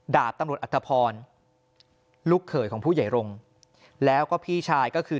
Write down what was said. ดาบตำรวจอัตภพรลูกเขยของผู้ใหญ่รงค์แล้วก็พี่ชายก็คือ